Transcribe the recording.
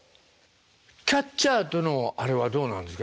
キャッチャーとのあれはどうなんですか？